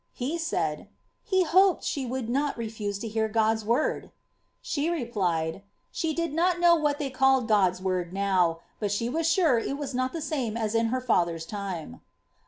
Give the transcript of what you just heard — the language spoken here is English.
He said —^ He hoped she would not refuse to hear God's word. ^ She replied— >^ She did not know what they called God's word now, but she was sure it was not the same as in her father's time."